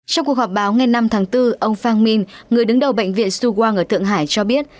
trong cuộc họp báo ngày năm tháng bốn ông farng minh người đứng đầu bệnh viện su wang ở thượng hải cho biết